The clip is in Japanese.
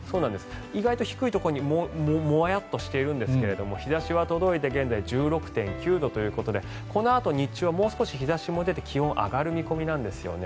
意外と低いところにもやっとしているんですが日差しは届いて現在１６．９度ということでこのあと日中はもう少し日差しも出て気温が上がる見込みなんですよね。